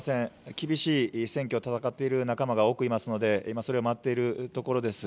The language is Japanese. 厳しい選挙を戦っている仲間が多くいますので、今、それを待っているところです。